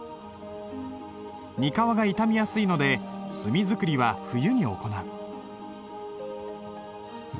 膠が傷みやすいので墨作りは冬に行う。